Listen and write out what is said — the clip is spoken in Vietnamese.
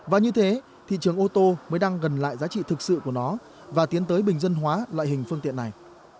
và như thế thị trường ô tô mới đang gần lại giá trị thực sự của nó và tiến tới bình dân hóa loại hình phương tiện này